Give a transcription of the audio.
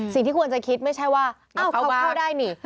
สิ่งที่ควรจะคิดไม่ใช่ว่าอ้าวเขาเข้าได้นี่